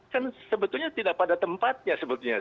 kan sebetulnya tidak pada tempatnya sebetulnya